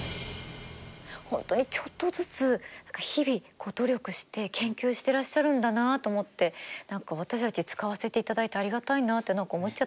本当にちょっとずつ日々努力して研究してらっしゃるんだなあと思って何か私たち使わせていただいてありがたいなって何か思っちゃった。